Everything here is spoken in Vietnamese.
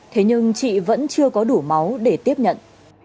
thế nhưng chị vẫn chưa có đủ máu để tiếp nhận